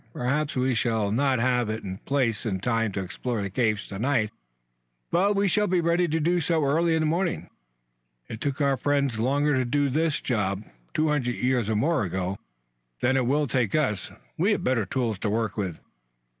Perhaps we shall not have it in place in time to explore the caves to night, but we shall be ready to do so early in the morning. It took our friends longer to do this job, two hundred years or more ago, than it will take us. We have better tools to work with."